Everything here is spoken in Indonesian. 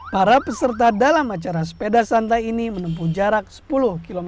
para peserta dalam acara sepeda santai ini menempuh jarak sepuluh km